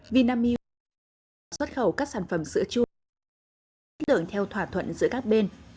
vinamilk đã xuất khẩu các sản phẩm sữa chua đứng đường theo thỏa thuận giữa các bên